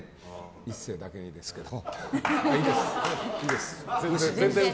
壱成だけにですけど。